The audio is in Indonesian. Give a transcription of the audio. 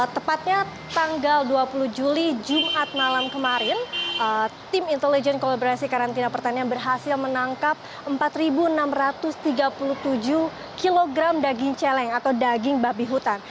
tepatnya tanggal dua puluh juli jumat malam kemarin tim intelijen kolaborasi karantina pertanian berhasil menangkap empat enam ratus tiga puluh tujuh kg daging celeng atau daging babi hutan